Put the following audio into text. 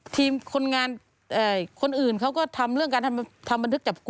สักพักดาบยุทธ์หลบ